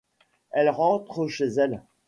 Elle rentre chez elle.